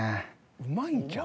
うまいんちゃう？